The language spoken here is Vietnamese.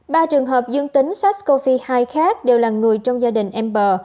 ba trường hợp dương tính sars cov hai khác đều là người trong gia đình em bờ